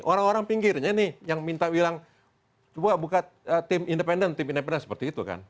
orang orang pinggirnya nih yang minta bilang coba buka tim independen tim independen seperti itu kan